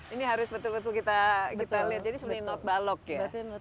ini harus betul betul kita lihat jadi sebenarnya not balok ya